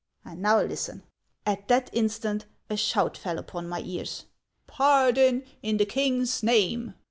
Xow listen ! At that instant a shout fell upon my ears, —' Pardon, in the king's name!